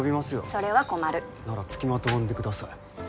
それは困るならつきまとわんでください